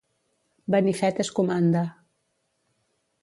Benifet es comanda.